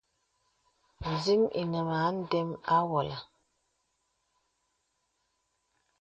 Nzìn̄ inə mə a ndəm àwɔlə.